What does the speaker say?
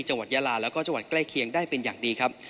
ยาลาแล้วก็จังหวัดใกล้เคียงได้เป็นอย่างดีครับ